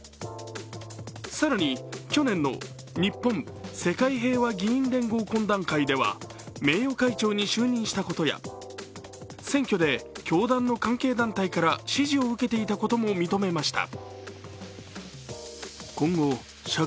更に、去年の日本・世界平和議員連合懇談会では、名誉会長に就任したことや選挙で教団の関係団体から支持を受けていたことも認めました。